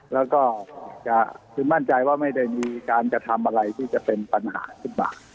แล้วก็คือมั่นใจว่าไม่ได้มีการกระทำอะไรที่จะเป็นปัญหาขึ้นมา